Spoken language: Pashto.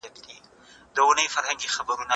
زه مخکي مينه څرګنده کړې وه؟